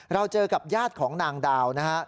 เราเจอกับญาติของนางดาวนะฮะ